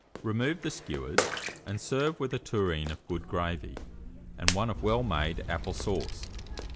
Remove the skewers, and serve with a tureen of good gravy, and one of well made apple sauce.